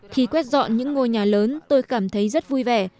khi quét dọn những ngôi nhà lớn tôi cảm thấy rất vui vẻ